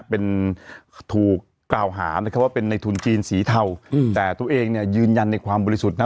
เป็นถูกกล่าวหานะครับว่าเป็นในทุนจีนสีเทาแต่ตัวเองเนี่ยยืนยันในความบริสุทธิ์นะ